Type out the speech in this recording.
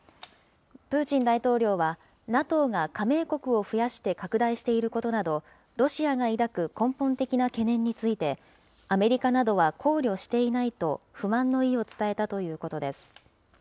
プーチン大統領は、ＮＡＴＯが加盟国を増やして拡大していることなど、ロシアが抱く根本的な懸念について、アメリカなどは考慮していないと、不満の意を伝えたということです。